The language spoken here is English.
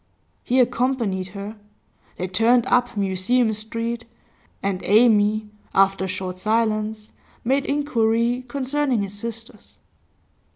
He accompanied her. They turned up Museum Street, and Amy, after a short silence, made inquiry concerning his sisters.